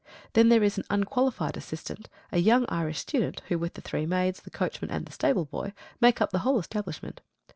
Then there is an unqualified assistant, a young Irish student, who, with the three maids, the coachman, and the stable boy, make up the whole establishment.